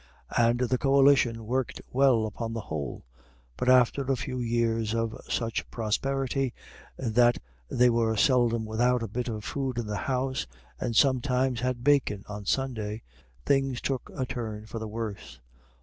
And the coalition worked well upon the whole. But after a few years of such prosperity that they were seldom without a bit of food in the house, and sometimes had bacon on Sunday, things took a turn for the worse.